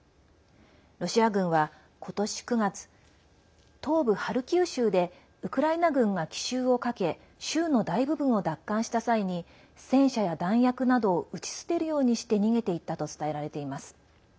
ロシア軍は今年９月東部ハルキウ州でウクライナ軍が奇襲をかけ州の大部分を奪還した際に戦車や弾薬などを打ち捨てるようにして逃げていったと伝えられています。